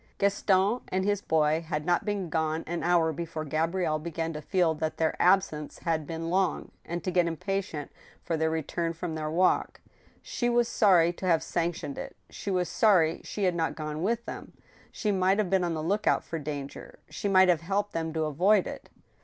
Gaston and his boy had not been gone an hour before Gabrielle began to feel that their absence had been long, and to get impatient for their return from their walk. She was sorry to have sanctioned it ; she was sorry she had not gone with them. She might have been on the lookout for danger ; she might have helped them to avoid it.